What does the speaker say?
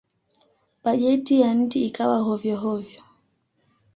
Bajeti ya nchi ikawa hovyo-hovyo.